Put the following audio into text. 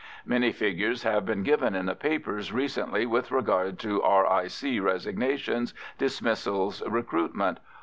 Many figures have been given in the papers recently with regard to R.I.C. resignations, dismissals, recruitment.